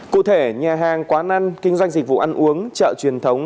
cụ thể nhà hàng quán ăn kinh doanh dịch vụ ăn uống chợ truyền thống